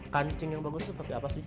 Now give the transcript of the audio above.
kancing yang bagus itu seperti apa sih